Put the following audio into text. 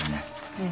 ええ。